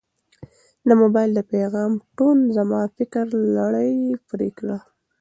د موبایل د پیغام ټون زما د فکر لړۍ پرې کړه.